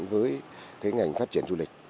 với ngành phát triển du lịch